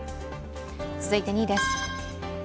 続いて２位です。